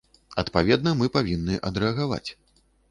Адпаведна мы павінны адрэагаваць.